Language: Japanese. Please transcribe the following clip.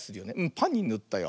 パンにぬったよ。